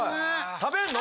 食べんの！？